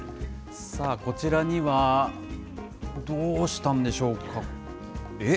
さあ、こちらには、どうしたんでしょうか、え？